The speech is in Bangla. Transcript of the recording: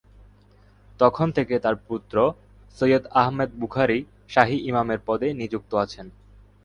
তখন থেকে তার পুত্র সৈয়দ আহমেদ বুখারী শাহী ইমামের পদে নিযুক্ত আছেন।